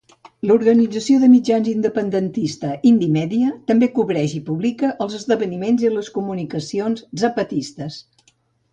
L'organització de mitjans independentista Indymedia també cobreix i publica els esdeveniments i les comunicacions zapatistes.